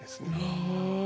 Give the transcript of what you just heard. へえ。